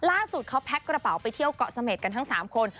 ล่าสุดเขาแพ็คกระเป๋าไปเที่ยวเกาะเสม็ดกันทั้ง๓คน